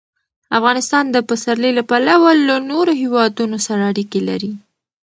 افغانستان د پسرلی له پلوه له نورو هېوادونو سره اړیکې لري.